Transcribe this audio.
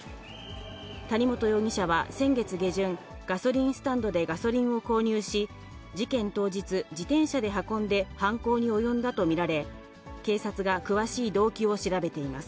谷本容疑者は先月下旬、ガソリンスタンドでガソリンを購入し、事件当日、自転車で運んで犯行に及んだと見られ、警察が詳しい動機を調べています。